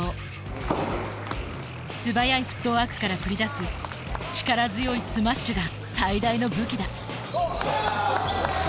素早いフットワークから繰り出す力強いスマッシュが最大の武器だ。